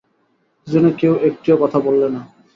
দুজনে কেউ একটিও কথা বললে না।